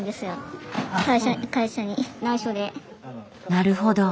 なるほど。